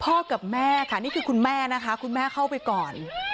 กับแม่ค่ะนี่คือคุณแม่นะคะคุณแม่เข้าไปก่อน